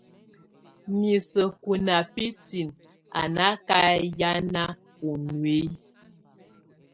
Miseku nábitiŋ anákahian ɔ nuiyik.